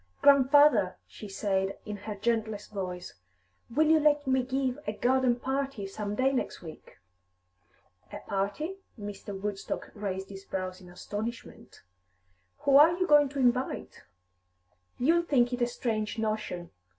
"Grandfather," she said, in her gentlest voice, "will you let me give a garden party some day next week?" "A party?" Mr. Woodstock raised his brows in astonishment. "Who are you going to invite?" "You'll think it a strange notion.